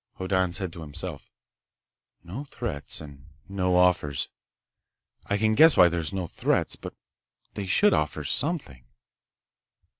Hoddan said to himself: "No threats and no offers. I can guess why there are no threats. But they should offer something!"